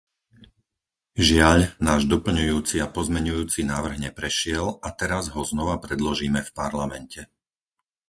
Žiaľ, náš doplňujúci a pozmeňujúci návrh neprešiel a teraz ho znova predložíme v Parlamente.